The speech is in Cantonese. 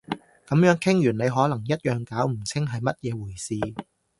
噉樣傾完你可能一樣搞唔清係乜嘢回事